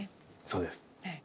そうです。